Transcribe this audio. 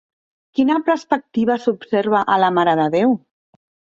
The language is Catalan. Quina perspectiva s'observa a La Mare de Déu?